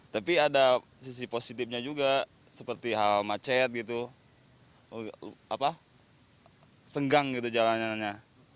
tapi ada sisi positifnya juga seperti hal macet gitu senggang gitu jalan jalannya